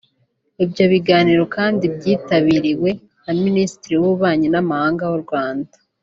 Ibyo biganiro kandi byitabiriwe na Minisitiri w’Ububanyi n’Amahanga w’u Rwanda